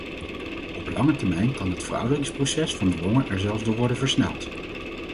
Op lange termijn kan het verouderingsproces van de longen er zelfs door worden versneld.